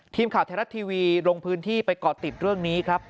ทีมข่าวไทยรัฐทีวีลงพื้นที่ไปเกาะติดเรื่องนี้ครับ